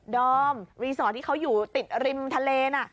อมรีสอร์ทที่เขาอยู่ติดริมทะเลน่ะ